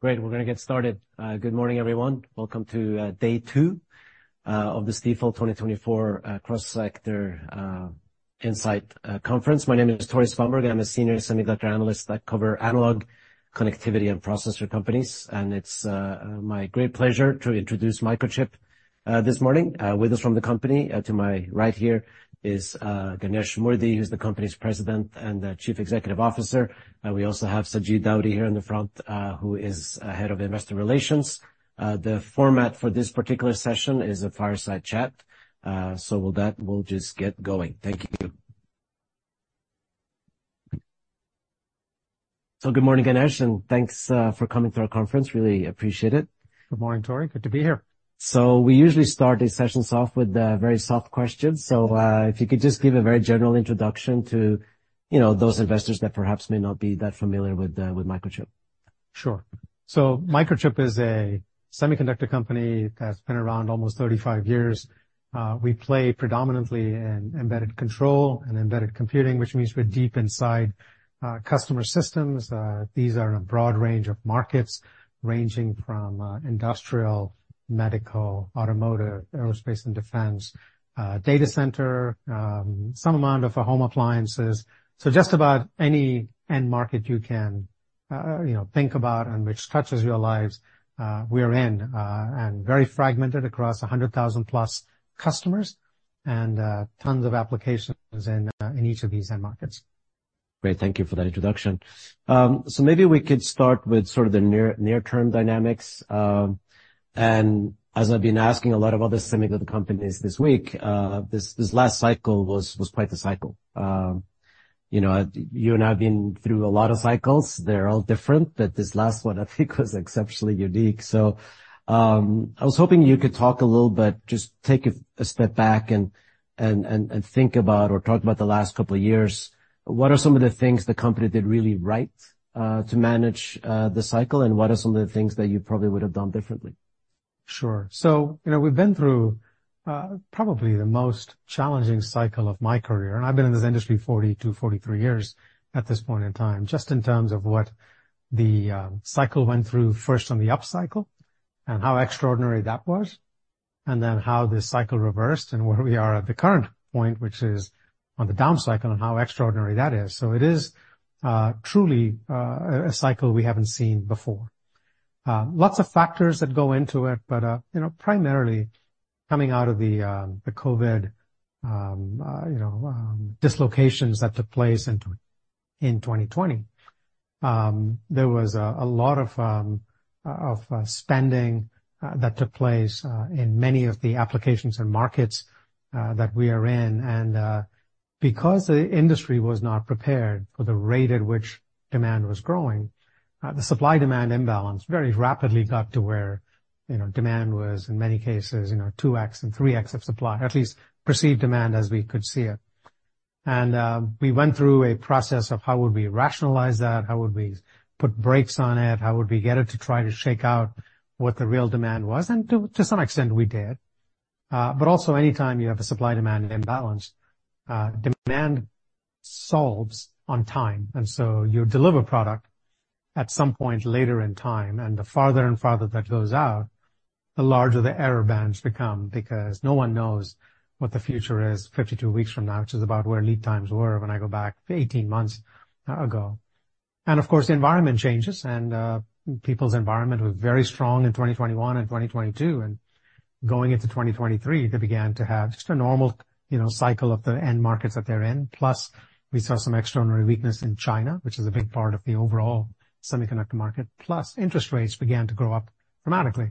Great, we're gonna get started. Good morning, everyone. Welcome to day two of the Stifel 2024 Cross-Sector Insight Conference. My name is Tore Svanberg. I'm a senior semiconductor analyst that cover analog, connectivity, and processor companies, and it's my great pleasure to introduce Microchip this morning. With us from the company, to my right here is Ganesh Moorthy, who's the company's President and Chief Executive Officer. We also have Sajid Daudi here in the front, who is head of investor relations. The format for this particular session is a fireside chat, so with that, we'll just get going. Thank you. So good morning, Ganesh, and thanks for coming to our conference. Really appreciate it. Good morning, Tore. Good to be here. We usually start these sessions off with a very soft question. If you could just give a very general introduction to, you know, those investors that perhaps may not be that familiar with Microchip. Sure. So Microchip is a semiconductor company that's been around almost 35 years. We play predominantly in embedded control and embedded computing, which means we're deep inside customer systems. These are in a broad range of markets, ranging from industrial, medical, automotive, aerospace and defense, data center, some amount of home appliances. So just about any end market you can you know think about and which touches your lives, we're in, and very fragmented across a 100,000-plus customers and tons of applications in each of these end markets. Great, thank you for that introduction. So maybe we could start with sort of the near-term dynamics, and as I've been asking a lot of other semiconductor companies this week, this last cycle was quite the cycle. You know, you and I have been through a lot of cycles. They're all different, but this last one, I think, was exceptionally unique. So, I was hoping you could talk a little bit, just take a step back and think about or talk about the last couple of years. What are some of the things the company did really right to manage the cycle, and what are some of the things that you probably would have done differently? Sure. So, you know, we've been through probably the most challenging cycle of my career, and I've been in this industry 40-43 years at this point in time, just in terms of what the cycle went through, first on the upcycle and how extraordinary that was, and then how this cycle reversed and where we are at the current point, which is on the downcycle and how extraordinary that is. So it is truly a cycle we haven't seen before. Lots of factors that go into it, but you know, primarily coming out of the COVID, you know, dislocations that took place in 2020. There was a lot of spending that took place in many of the applications and markets that we are in, and because the industry was not prepared for the rate at which demand was growing, the supply-demand imbalance very rapidly got to where, you know, demand was, in many cases, you know, 2x and 3x of supply, at least perceived demand as we could see it. And we went through a process of how would we rationalize that? How would we put brakes on it? How would we get it to try to shake out what the real demand was? And to some extent, we did. But also, anytime you have a supply-demand imbalance, demand solves on time, and so you deliver product at some point later in time, and the farther and farther that goes out, the larger the error bands become, because no one knows what the future is 52 weeks from now, which is about where lead times were when I go back 18 months ago. And of course, the environment changes, and people's environment was very strong in 2021 and 2022, and going into 2023, they began to have just a normal, you know, cycle of the end markets that they're in. Plus, we saw some extraordinary weakness in China, which is a big part of the overall semiconductor market, plus interest rates began to go up dramatically.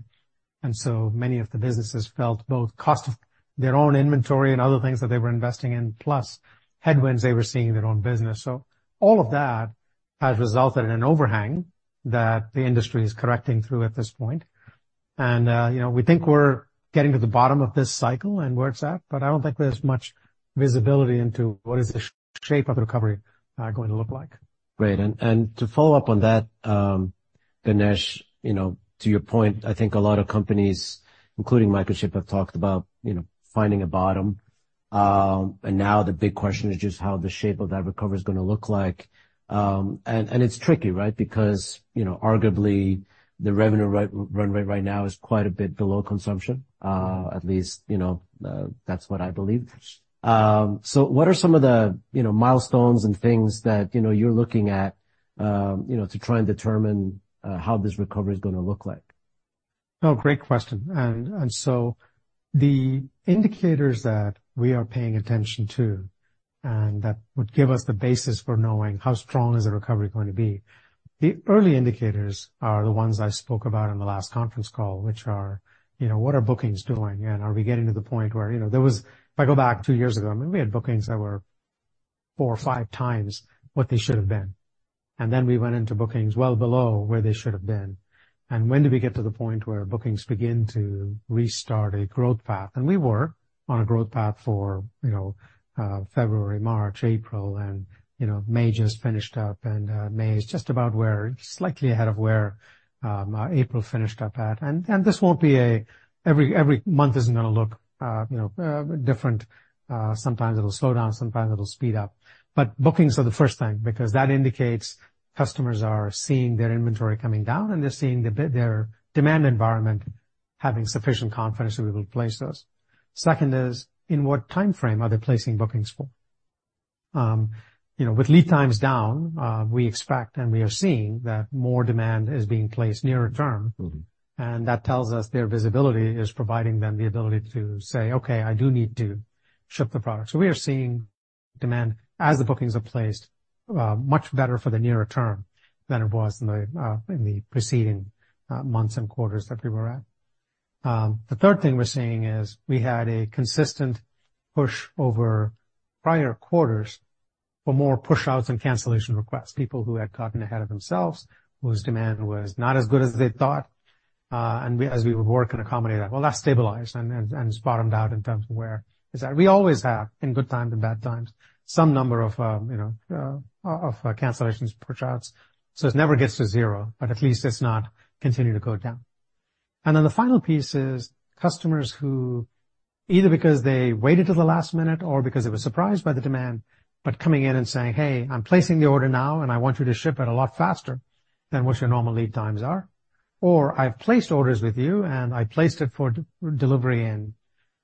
And so many of the businesses felt both cost of their own inventory and other things that they were investing in, plus headwinds they were seeing in their own business. So all of that has resulted in an overhang that the industry is correcting through at this point. And, you know, we think we're getting to the bottom of this cycle and where it's at, but I don't think there's much visibility into what is the shape of the recovery, going to look like. Great. And to follow up on that, Ganesh, you know, to your point, I think a lot of companies, including Microchip, have talked about, you know, finding a bottom. And now the big question is just how the shape of that recovery is gonna look like. And it's tricky, right? Because, you know, arguably, the revenue run rate right now is quite a bit below consumption, at least, you know, that's what I believe. So what are some of the, you know, milestones and things that, you know, you're looking at, you know, to try and determine, how this recovery is gonna look like? Oh, great question. And so the indicators that we are paying attention to, and that would give us the basis for knowing how strong is the recovery going to be, the early indicators are the ones I spoke about on the last conference call, which are, you know, what are bookings doing? And are we getting to the point where... You know, there was, if I go back two years ago, I mean, we had bookings that were four or five times what they should have been, and then we went into bookings well below where they should have been. And when do we get to the point where bookings begin to restart a growth path? We were on a growth path for, you know, February, March, April, and, you know, May just finished up, and May is just about where, slightly ahead of where April finished up at. And this won't be every month isn't gonna look, you know, different. Sometimes it'll slow down, sometimes it'll speed up. But bookings are the first thing, because that indicates customers are seeing their inventory coming down, and they're seeing their demand environment having sufficient confidence that we will place those. Second is, in what time frame are they placing bookings for? You know, with lead times down, we expect, and we are seeing, that more demand is being placed nearer term. Mm-hmm. That tells us their visibility is providing them the ability to say, "Okay, I do need to ship the product." We are seeing demand as the bookings are placed, much better for the nearer term than it was in the preceding months and quarters that we were at. The third thing we're seeing is we had a consistent push over prior quarters for more push-outs and cancellation requests. People who had gotten ahead of themselves, whose demand was not as good as they thought, and we, as we would work and accommodate that. Well, that's stabilized, and it's bottomed out in terms of where it's at. We always have, in good times and bad times, some number of, you know, of cancellations, push-outs, so it never gets to zero, but at least it's not continuing to go down. And then the final piece is customers who, either because they waited till the last minute or because they were surprised by the demand, but coming in and saying, "Hey, I'm placing the order now, and I want you to ship it a lot faster than what your normal lead times are." Or, "I've placed orders with you, and I placed it for delivery in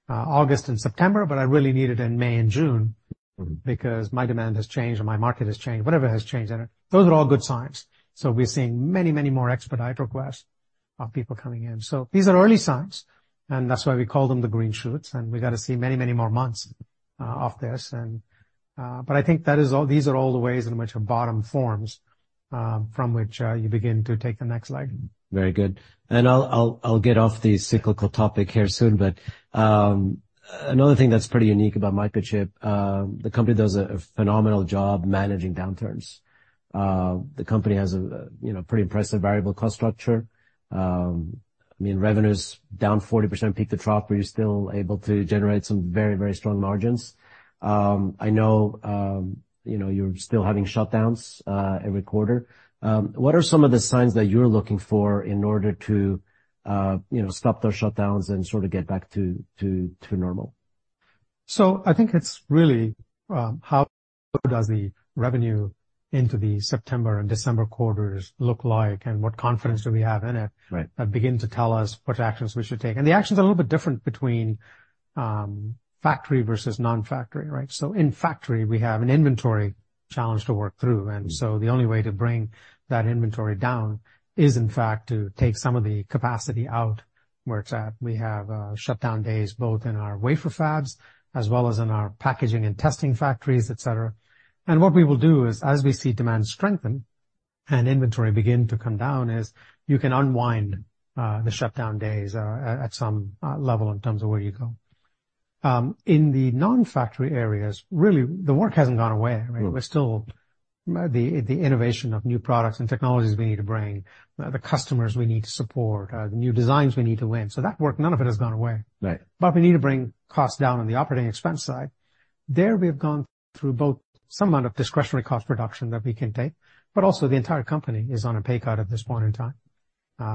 August and September, but I really need it in May and June- Mm-hmm... because my demand has changed or my market has changed," whatever has changed in it. Those are all good signs. So we're seeing many, many more expedite requests of people coming in. So these are early signs, and that's why we call them the green shoots, and we've got to see many, many more months, of this. And, but I think that is all, these are all the ways in which a bottom forms, from which, you begin to take the next leg. Very good. And I'll get off the cyclical topic here soon, but another thing that's pretty unique about Microchip, the company does a phenomenal job managing downturns. The company has a, you know, pretty impressive variable cost structure. I mean, revenue's down 40% peak to trough, but you're still able to generate some very, very strong margins. I know, you know, you're still having shutdowns every quarter. What are some of the signs that you're looking for in order to, you know, stop those shutdowns and sort of get back to normal? I think it's really how does the revenue into the September and December quarters look like, and what confidence do we have in it? Right. -that begin to tell us what actions we should take. And the actions are a little bit different between, factory versus non-factory, right? So in factory, we have an inventory challenge to work through. Mm-hmm. And so the only way to bring that inventory down is, in fact, to take some of the capacity out, where it's at. We have shutdown days, both in our wafer fabs as well as in our packaging and testing factories, et cetera. And what we will do is, as we see demand strengthen and inventory begin to come down, is you can unwind the shutdown days at some level in terms of where you go. In the non-factory areas, really, the work hasn't gone away. Mm-hmm. I mean, we're still... The innovation of new products and technologies we need to bring, the customers we need to support, the new designs we need to win. So that work, none of it has gone away. Right. But we need to bring costs down on the operating expense side. There, we have gone through both some amount of discretionary cost reduction that we can take, but also, the entire company is on a pay cut at this point in time,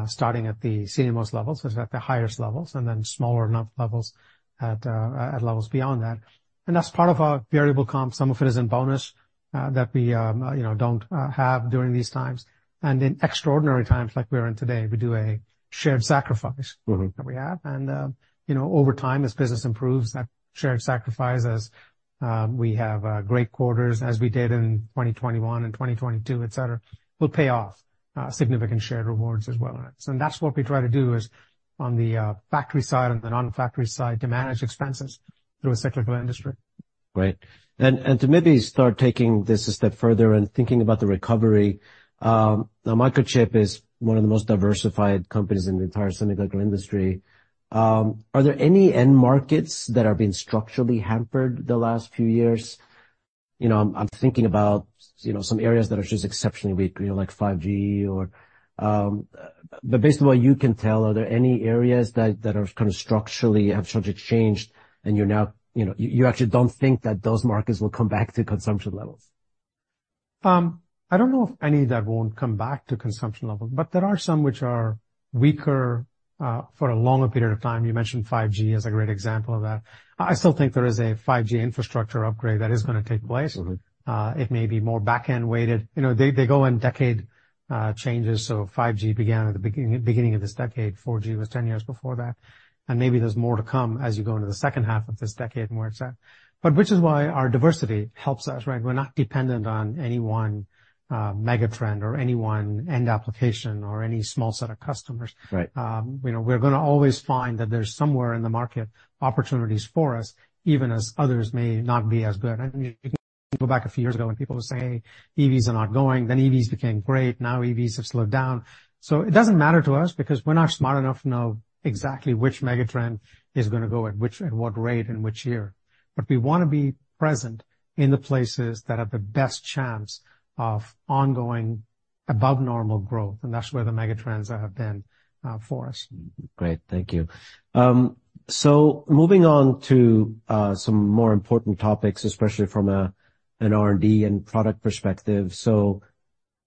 starting at the senior-most levels, so it's at the highest levels, and then smaller levels at levels beyond that. And that's part of our variable comp. Some of it is in bonus that we, you know, don't have during these times. And in extraordinary times like we're in today, we do a shared sacrifice- Mm-hmm... that we have. You know, over time, as business improves, that shared sacrifice, as we have great quarters, as we did in 2021 and 2022, et cetera, will pay off significant shared rewards as well on it. So that's what we try to do, is on the factory side and the non-factory side, to manage expenses through a cyclical industry. Great. To maybe start taking this a step further and thinking about the recovery, now Microchip is one of the most diversified companies in the entire semiconductor industry. Are there any end markets that have been structurally hampered the last few years? You know, I'm thinking about, you know, some areas that are just exceptionally weak, you know, like 5G or... But based on what you can tell, are there any areas that are kind of structurally have sort of changed, and you're now, you know, actually don't think that those markets will come back to consumption levels? I don't know of any that won't come back to consumption level, but there are some which are weaker, for a longer period of time. You mentioned 5G as a great example of that. I still think there is a 5G infrastructure upgrade that is gonna take place. Mm-hmm. It may be more back-end weighted. You know, they go in decade changes, so 5G began at the beginning of this decade. 4G was 10 years before that. And maybe there's more to come as you go into the second half of this decade, more exact. But which is why our diversity helps us, right? We're not dependent on any one megatrend or any one end application or any small set of customers. Right. You know, we're gonna always find that there's somewhere in the market opportunities for us, even as others may not be as good. And you can go back a few years ago when people were saying, "EVs are not going," then EVs became great. Now, EVs have slowed down. So it doesn't matter to us because we're not smart enough to know exactly which megatrend is gonna go at which, at what rate, in which year. But we wanna be present in the places that have the best chance of ongoing above-normal growth, and that's where the megatrends have been, for us. Great. Thank you. So moving on to some more important topics, especially from an R&D and product perspective. So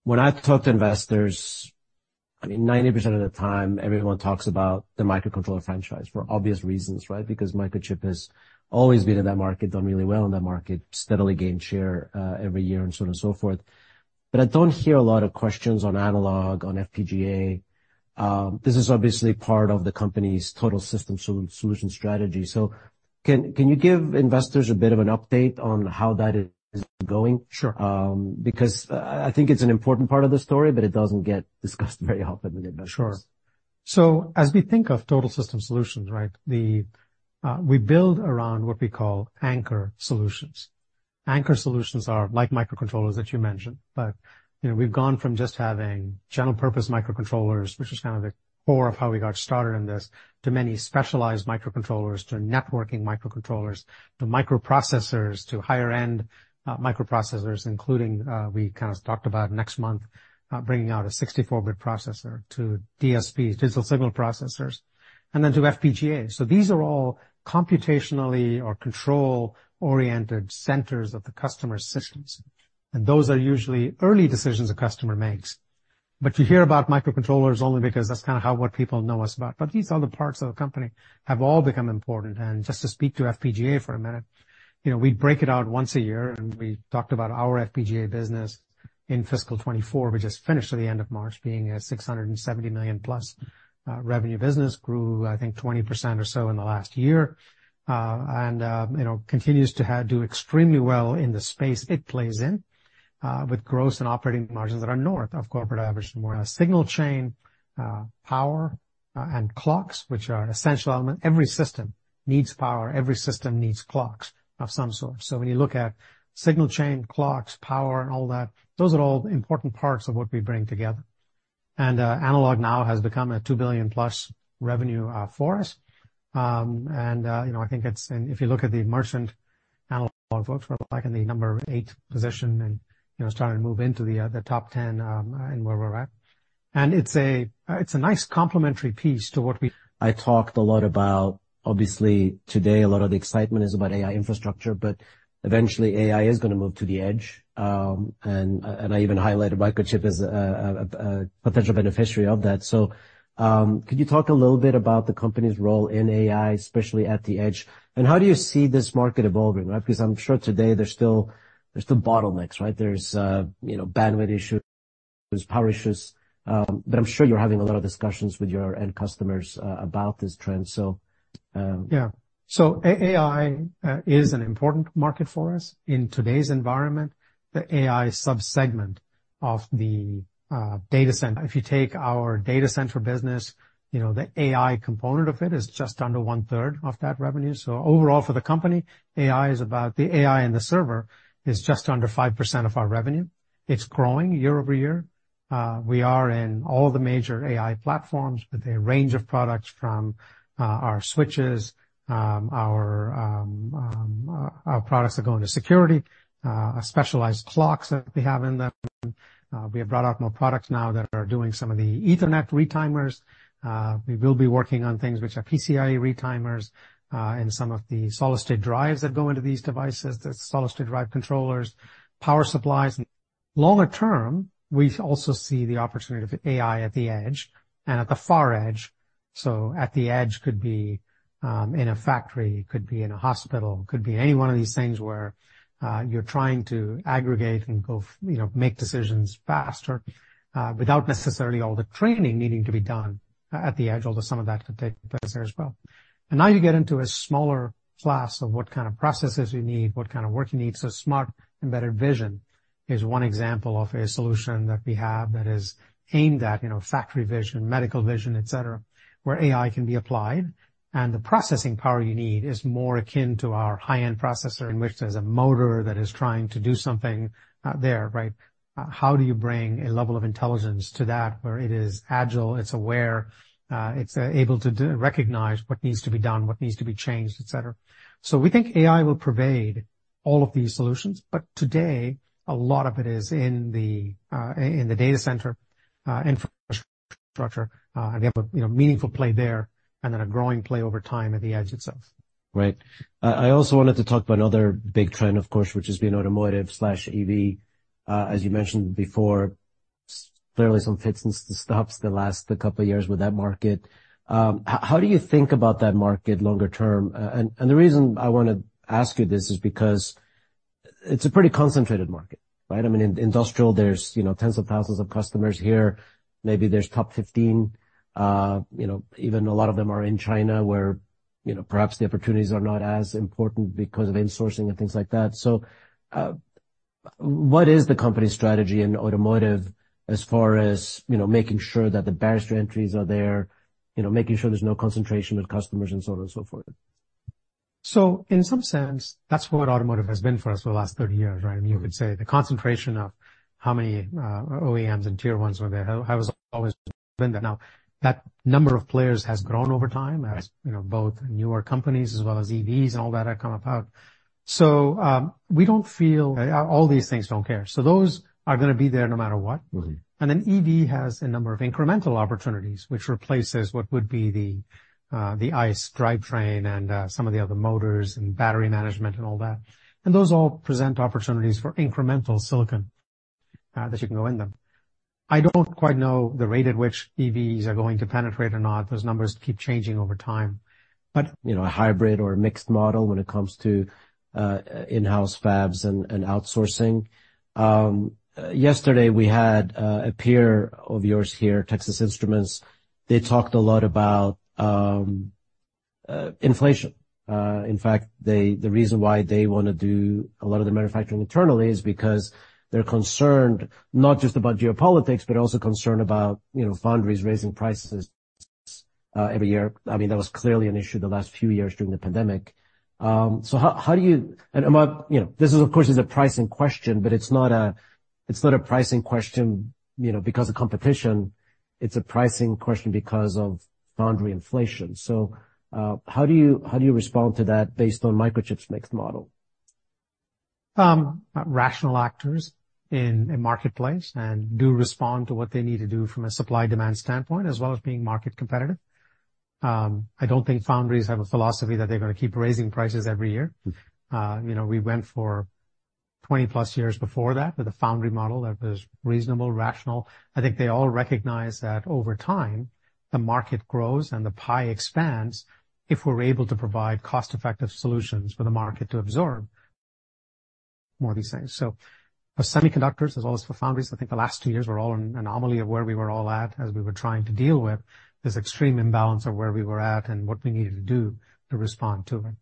when I talk to investors, I mean, 90% of the time, everyone talks about the microcontroller franchise for obvious reasons, right? Because Microchip has always been in that market, done really well in that market, steadily gained share every year and so on and so forth. But I don't hear a lot of questions on analog, on FPGA... this is obviously part of the company's total system solution strategy. So can you give investors a bit of an update on how that is going? Sure. Because I think it's an important part of the story, but it doesn't get discussed very often with investors. Sure. So as we think of total system solutions, right, we build around what we call anchor solutions. Anchor solutions are like microcontrollers that you mentioned, but, you know, we've gone from just having general purpose microcontrollers, which is kind of the core of how we got started in this, to many specialized microcontrollers, to networking microcontrollers, to microprocessors, to higher-end microprocessors, including we kind of talked about next month bringing out a 64-bit processor to DSP, digital signal processors, and then to FPGA. So these are all computationally or control-oriented centers of the customer systems, and those are usually early decisions a customer makes. But you hear about microcontrollers only because that's kind of how, what people know us about. But these other parts of the company have all become important. Just to speak to FPGA for a minute, you know, we break it out once a year, and we talked about our FPGA business in fiscal 2024, which just finished at the end of March, being a $670 million-plus revenue business. Grew, I think, 20% or so in the last year, and, you know, continues to do extremely well in the space it plays in, with gross and operating margins that are north of corporate average and more. Signal chain, power, and clocks, which are an essential element. Every system needs power. Every system needs clocks of some sort. So when you look at signal chain, clocks, power and all that, those are all important parts of what we bring together. analog now has become a $2 billion-plus revenue for us. You know, I think, and if you look at the merchant analog folks, we're back in the number 8 position and, you know, starting to move into the top 10 and where we're at. And it's a nice complementary piece to what we- I talked a lot about... Obviously, today, a lot of the excitement is about AI infrastructure, but eventually AI is gonna move to the edge. And I even highlighted Microchip as a potential beneficiary of that. So, could you talk a little bit about the company's role in AI, especially at the edge, and how do you see this market evolving, right? Because I'm sure today there's still bottlenecks, right? There's, you know, bandwidth issues, there's power issues, but I'm sure you're having a lot of discussions with your end customers about this trend, so, Yeah. So AI is an important market for us. In today's environment, the AI subsegment of the data center. If you take our data center business, you know, the AI component of it is just under one-third of that revenue. So overall, for the company, AI is about, the AI and the server is just under 5% of our revenue. It's growing year-over-year. We are in all the major AI platforms with a range of products from our switches, our products that go into security, specialized clocks that we have in them. We have brought out more products now that are doing some of the Ethernet retimers. We will be working on things which are PCIe retimers, and some of the solid-state drives that go into these devices, the solid-state drive controllers, power supplies. Longer term, we also see the opportunity for AI at the edge and at the far edge. So at the edge could be in a factory, could be in a hospital, could be any one of these things where you're trying to aggregate and go, you know, make decisions faster without necessarily all the training needing to be done at the edge, although some of that could take place there as well. And now you get into a smaller class of what kind of processes you need, what kind of work you need. So Smart Embedded Vision is one example of a solution that we have that is aimed at, you know, factory vision, medical vision, et cetera, where AI can be applied. And the processing power you need is more akin to our high-end processor, in which there's a motor that is trying to do something, there, right? How do you bring a level of intelligence to that where it is agile, it's aware, it's able to do, recognize what needs to be done, what needs to be changed, et cetera. So we think AI will pervade all of these solutions, but today, a lot of it is in the data center infrastructure. And we have a, you know, meaningful play there and then a growing play over time at the edge itself. Right. I also wanted to talk about another big trend, of course, which has been automotive/EV. As you mentioned before, clearly some fits and starts the last couple of years with that market. How do you think about that market longer term? And the reason I wanna ask you this is because it's a pretty concentrated market, right? I mean, in industrial, there's, you know, tens of thousands of customers here. Maybe there's top 15. You know, even a lot of them are in China, where, you know, perhaps the opportunities are not as important because of insourcing and things like that. So, what is the company's strategy in automotive as far as, you know, making sure that the barrier to entries are there, you know, making sure there's no concentration of customers and so on and so forth? In some sense, that's what automotive has been for us for the last 30 years, right? Mm-hmm. I mean, you could say the concentration of how many, OEMs and Tier 1s were there, has always been there. Now, that number of players has grown over time- Right... as, you know, both newer companies as well as EVs and all that have come about. So, we don't feel all these things don't care. So those are gonna be there no matter what. Mm-hmm. And then EV has a number of incremental opportunities, which replaces what would be the, the ICE drivetrain and, some of the other motors and battery management and all that. And those all present opportunities for incremental silicon, that you can go in them. I don't quite know the rate at which EVs are going to penetrate or not. Those numbers keep changing over time. But- You know, a hybrid or a mixed model when it comes to in-house fabs and, and outsourcing. Yesterday, we had a peer of yours here, Texas Instruments. They talked a lot about inflation. In fact, they, the reason why they wanna do a lot of the manufacturing internally is because they're concerned, not just about geopolitics, but also concerned about, you know, foundries raising prices every year. I mean, that was clearly an issue the last few years during the pandemic. So how, how do you—and among, you know, this is, of course, is a pricing question, but it's not a, it's not a pricing question, you know, because of competition, it's a pricing question because of foundry inflation. So, how do you, how do you respond to that based on Microchip's mixed model? Rational actors in marketplace and do respond to what they need to do from a supply-demand standpoint, as well as being market competitive. I don't think foundries have a philosophy that they're gonna keep raising prices every year. Mm-hmm. You know, we went for 20+ years before that with a foundry model that was reasonable, rational. I think they all recognize that over time, the market grows and the pie expands if we're able to provide cost-effective solutions for the market to absorb more of these things. So for semiconductors, as well as for foundries, I think the last 2 years were all an anomaly of where we were all at as we were trying to deal with this extreme imbalance of where we were at and what we needed to do to respond to it.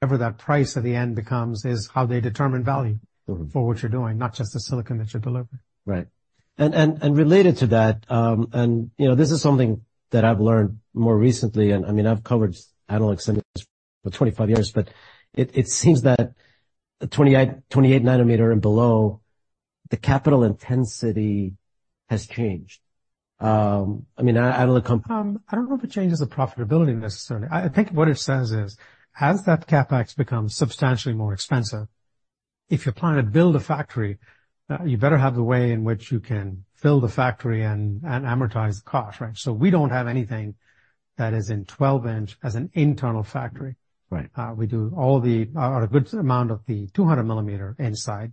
Whatever that price at the end becomes is how they determine value. Mm-hmm... for what you're doing, not just the silicon that you're delivering. Right. Related to that, you know, this is something that I've learned more recently, and I mean, I've covered analog semiconductors for 25 years, but it seems that the 28 nanometer and below, the capital intensity has changed. I mean, I don't look- I don't know if it changes the profitability necessarily. I think what it says is, as that CapEx becomes substantially more expensive, if you're planning to build a factory, you better have the way in which you can fill the factory and, and amortize the cost, right? So we don't have anything that is in 12-inch as an internal factory. Right. We do all the, or a good amount of the 200-millimeter inside.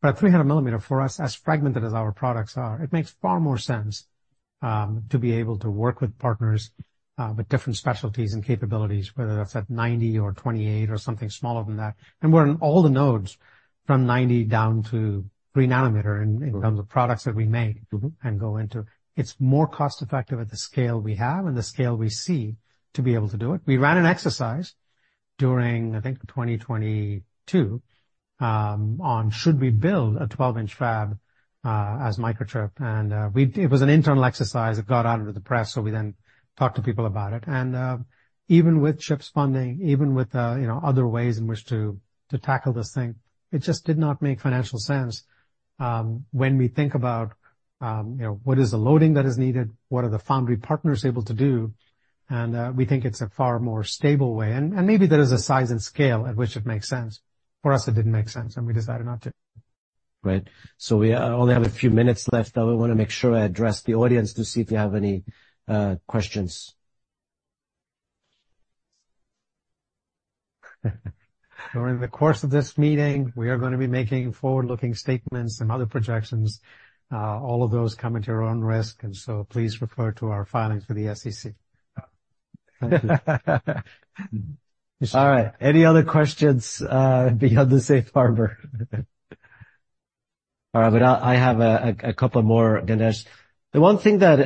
But 300-millimeter, for us, as fragmented as our products are, it makes far more sense, to be able to work with partners, with different specialties and capabilities, whether that's at 90 or 28 or something smaller than that. And we're in all the nodes, from 90 down to 3-nanometer, in terms of products that we make- Mm-hmm... and go into. It's more cost-effective at the scale we have and the scale we see to be able to do it. We ran an exercise during, I think, 2022, on should we build a 12-inch fab, as Microchip? It was an internal exercise. It got out into the press, so we then talked to people about it. Even with CHIPS funding, even with, you know, other ways in which to tackle this thing, it just did not make financial sense, when we think about, you know, what is the loading that is needed? What are the foundry partners able to do? We think it's a far more stable way. Maybe there is a size and scale at which it makes sense. For us, it didn't make sense, and we decided not to. Right. So we only have a few minutes left, but we wanna make sure I address the audience to see if you have any questions. During the course of this meeting, we are gonna be making forward-looking statements and other projections. All of those come into your own risk, and so please refer to our filings with the SEC. Thank you. All right, any other questions beyond the safe harbor? All right, but I have a couple more, Ganesh. The one thing that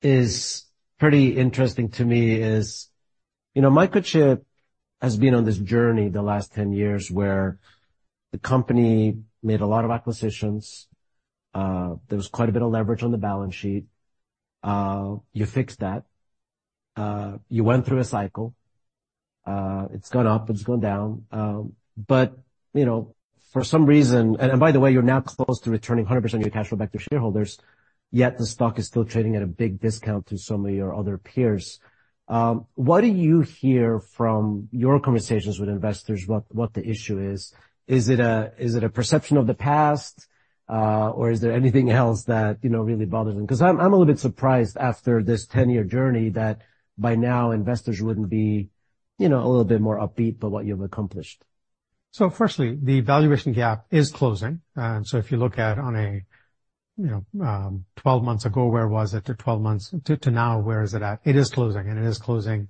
is pretty interesting to me is, you know, Microchip has been on this journey the last 10 years, where the company made a lot of acquisitions. There was quite a bit of leverage on the balance sheet. You fixed that. You went through a cycle. It's gone up, it's gone down. But, you know, for some reason... And by the way, you're now close to returning 100% of your cash flow back to shareholders, yet the stock is still trading at a big discount to so many of your other peers. What do you hear from your conversations with investors, what the issue is? Is it a perception of the past, or is there anything else that, you know, really bothers them? 'Cause I'm a little bit surprised after this 10-year journey, that by now, investors wouldn't be, you know, a little bit more upbeat about what you've accomplished. So firstly, the valuation gap is closing. If you look at on a, you know, 12 months ago, where was it? To now, where is it at? It is closing, and it is closing,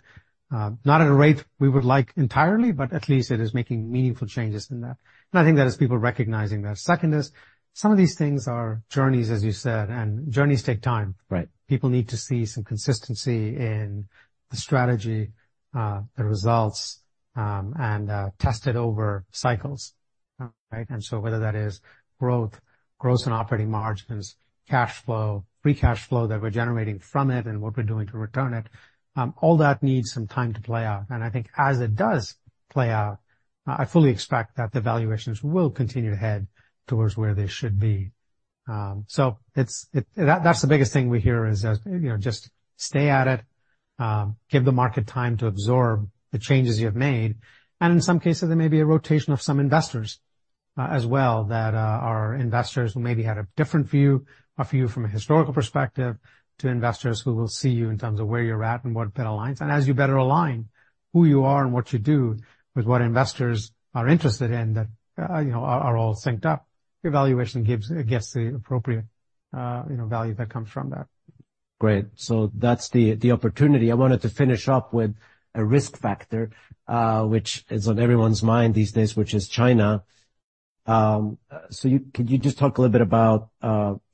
not at a rate we would like entirely, but at least it is making meaningful changes in that, and I think that is people recognizing that. Second is, some of these things are journeys, as you said, and journeys take time. Right. People need to see some consistency in the strategy, the results, and test it over cycles, right? And so whether that is growth, growth in operating margins, cash flow, free cash flow that we're generating from it and what we're doing to return it, all that needs some time to play out. And I think as it does play out, I fully expect that the valuations will continue to head towards where they should be. So it's that, that's the biggest thing we hear is, you know, "Just stay at it. Give the market time to absorb the changes you've made." And in some cases, there may be a rotation of some investors, as well, that, are investors who maybe had a different view, a view from a historical perspective, to investors who will see you in terms of where you're at and what better aligns. And as you better align who you are and what you do with what investors are interested in, that, you know, are, are all synced up, your valuation gives, gets the appropriate, you know, value that comes from that. Great. So that's the opportunity. I wanted to finish up with a risk factor, which is on everyone's mind these days, which is China. So you could just talk a little bit about,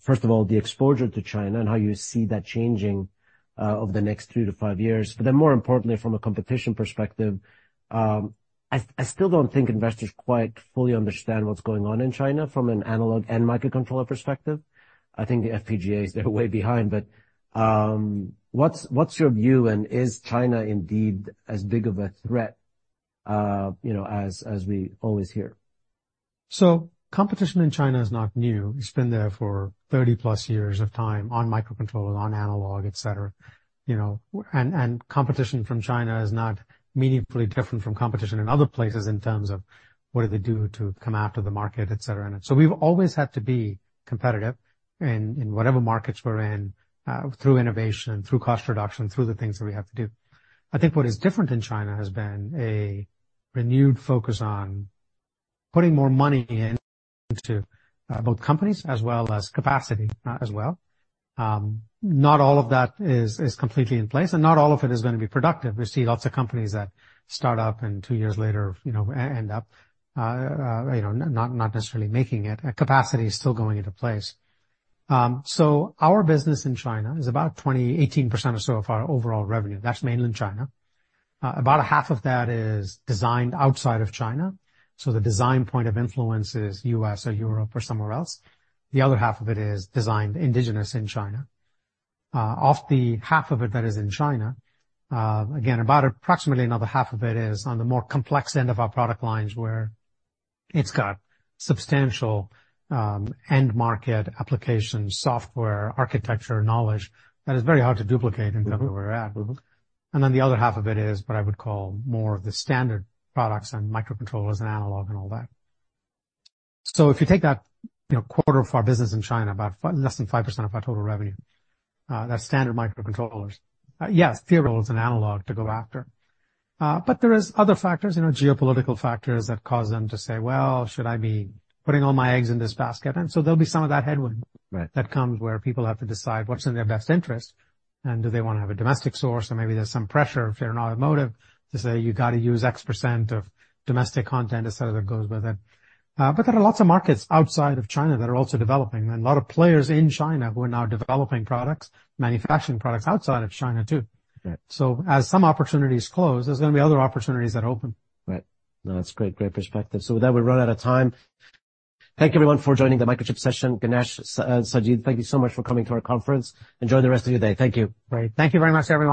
first of all, the exposure to China and how you see that changing over the next 3-5 years? But then, more importantly, from a competition perspective, I still don't think investors quite fully understand what's going on in China from an analog and microcontroller perspective. I think the FPGAs, they're way behind, but what's your view, and is China indeed as big of a threat, you know, as we always hear? So competition in China is not new. It's been there for 30+ years of time on microcontrollers, on analog, et cetera, you know. And competition from China is not meaningfully different from competition in other places in terms of what do they do to come after the market, et cetera. And so we've always had to be competitive in whatever markets we're in through innovation, through cost reduction, through the things that we have to do. I think what is different in China has been a renewed focus on putting more money into both companies as well as capacity, as well. Not all of that is completely in place, and not all of it is gonna be productive. We see lots of companies that start up, and 2 years later, you know, end up, you know, not necessarily making it. Capacity is still going into place. Our business in China is about 18% or so of our overall revenue. That's mainland China. About a half of that is designed outside of China, so the design point of influence is US or Europe or somewhere else. The other half of it is designed indigenous in China. Of the half of it that is in China, again, about approximately another half of it is on the more complex end of our product lines, where it's got substantial end market application, software, architecture, knowledge that is very hard to duplicate in terms of where we're at. Mm-hmm. Then the other half of it is what I would call more of the standard products and microcontrollers and analog and all that. So if you take that, you know, quarter of our business in China, about less than 5% of our total revenue, that's standard microcontrollers. Yes, theory holds in analog to go after, but there is other factors, you know, geopolitical factors that cause them to say, "Well, should I be putting all my eggs in this basket?" And so there'll be some of that headwind- Right. -that comes, where people have to decide what's in their best interest, and do they wanna have a domestic source, or maybe there's some pressure, if they're in automotive, to say, "You've got to use X% of domestic content," et cetera, that goes with it. But there are lots of markets outside of China that are also developing and a lot of players in China who are now developing products, manufacturing products outside of China, too. Right. As some opportunities close, there's gonna be other opportunities that open. Right. No, that's great. Great perspective. So with that, we've run out of time. Thank you, everyone, for joining the Microchip session. Ganesh, Sajid, thank you so much for coming to our conference. Enjoy the rest of your day. Thank you. Great. Thank you very much, everyone.